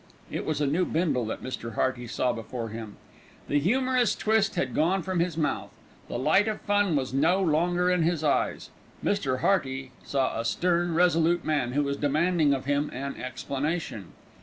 It was a new Bindle that Mr. Hearty saw before him. The humorous twist had gone from his mouth, the light of fun was no longer in his eyes. Mr. Hearty saw a stern, resolute man who was demanding of him an explanation.